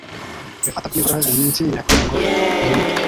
Bifata byibura iminsi ine kugirango uhinduke.